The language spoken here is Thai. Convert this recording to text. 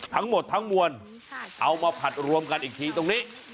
ทั้งหมดทั้งมวลเอามาผัดรวมกันอีกทีตรงนี้